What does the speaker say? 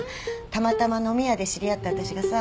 たまたま飲み屋で知り合った私がさ。